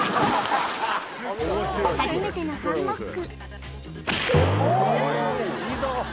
初めてのハンモック。